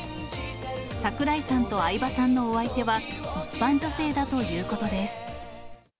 櫻井さんと相葉さんのお相手は、一般女性だということです。